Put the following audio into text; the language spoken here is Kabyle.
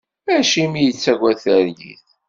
Acimi i yettagad targit?